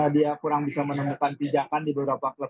dia kurang bisa menemukan pijakan di beberapa klub